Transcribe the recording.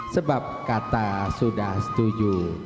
sebab kata sudah setuju